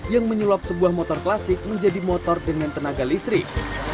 yang menyulap sebuah motor klasik menjadi motor dengan tenaga listrik